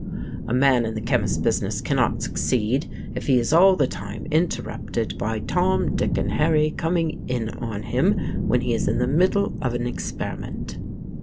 A man in the chemist business cannot succeed if he is all the time interrupted by Tom, Dick and Harry coming in on him when he is in the middle of an experiment.